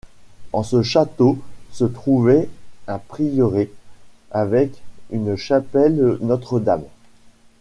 En ce château se trouvait un prieuré avec une chapelle Notre-Dame.